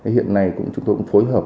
hiện nay chúng tôi cũng phối hợp